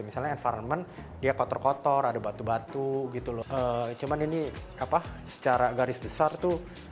misalnya environment dia kotor kotor ada batu batu gitu loh cuman ini apa secara garis besar tuh